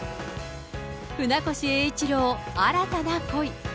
船越英一郎、新たな恋。